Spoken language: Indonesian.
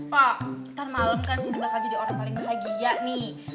pak ntar malem kan sini bakal jadi orang paling bahagia nih